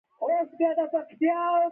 قدرتمند بلل کېږي.